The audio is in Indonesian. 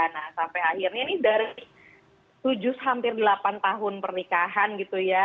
nah sampai akhirnya ini dari tujuh hampir delapan tahun pernikahan gitu ya